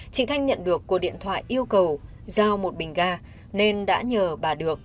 chị thanh nhận được cuộc điện thoại yêu cầu giao một bình ga nên đã nhờ bà được